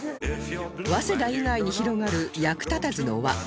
早稲田以外に広がる役立たずの輪